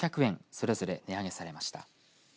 それぞれ値上げされました。